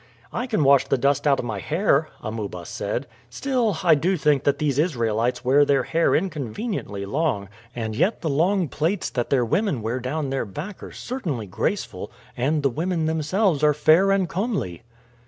"I can wash the dust out of my hair," Amuba said. "Still, I do think that these Israelites wear their hair inconveniently long; and yet the long plaits that their women wear down their back are certainly graceful, and the women themselves are fair and comely."